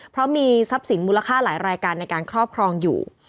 เพราะมีทรัพย์สินมูลค่าหลายรายการในการครอบครองอยู่